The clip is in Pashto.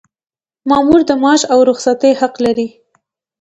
مامور د معاش او رخصتۍ حق لري.